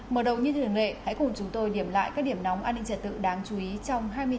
mở đầu như thường lệ hãy cùng chúng tôi điểm lại các điểm nóng an ninh trật tự đáng chú ý trong hai mươi bốn h